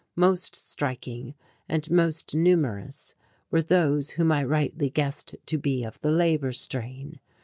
Most striking and most numerous were those whom I rightly guessed to be of the labour strain.